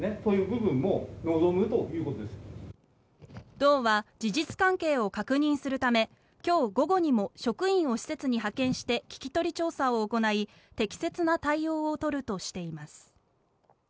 道は、事実関係を確認するため今日午後にも職員を施設に派遣して聞き取り調査を行い適切な対応を取るとしています。